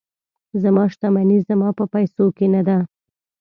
زما شتمني زما په پیسو کې نه ده.